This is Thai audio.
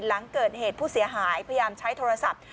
หลังเกิดเหตุผู้เสียหายพยายามใช้โทรศัพท์